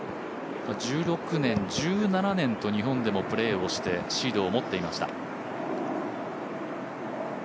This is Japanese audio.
１６年、１７年と日本でもプレーをしてシードを持っていました。